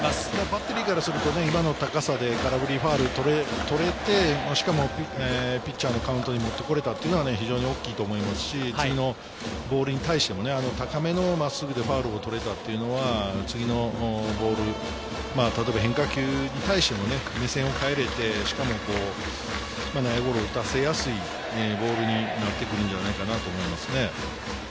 バッテリーからすると今の高さで空振り、ファウルを取れて、しかもピッチャーのカウントに持ってこれたというのは非常に大きいと思いますし、次のボールに対しても高めの真っすぐでファウルを取れたというのは、次のボール、例えば変化球に対しても目線を変えれて、しかも内野ゴロを打たせやすいというボールになってくるんじゃないかなと思います。